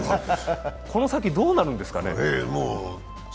この先どうなるんですかね。